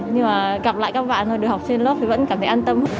nhưng mà gặp lại các bạn thôi được học trên lớp thì vẫn cảm thấy an tâm